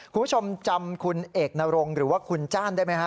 คุณผู้ชมจำคุณเอกนรงหรือว่าคุณจ้านได้ไหมฮะ